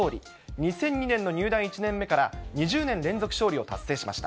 ２００２年の入団１年目から、２０年連続勝利を達成しました。